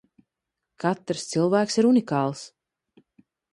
Katrs cilvēks ir unikāls.